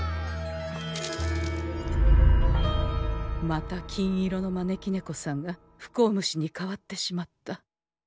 また金色の招き猫さんが不幸虫に変わってしまった。